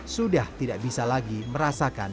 sudah tidak bisa lagi merasakan